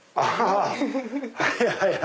はいはい。